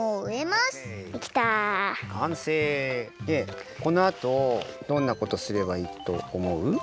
でこのあとどんなことすればいいとおもう？